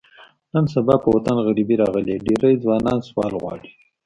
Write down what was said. نن سبا په وطن غریبي راغلې، ډېری ځوانان سوال غواړي.